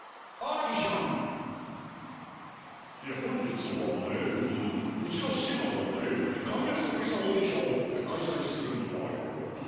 本日はねうんうちの志乃のね顔面そっくりさんオーディションを開催するんだようん。